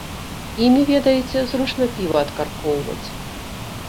Імі, ведаеце, зручна піва адкаркоўваць.